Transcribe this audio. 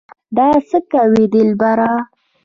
دا څه کوې دلبره